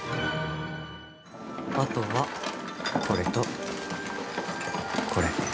あとは、これとこれ。